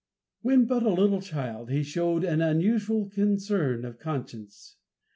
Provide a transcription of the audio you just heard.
When but a little child he showed an unusual concern of conscience.